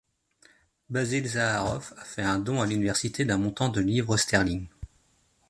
Basil Zaharoff a fait un don à l'université d'un montant de livres sterling.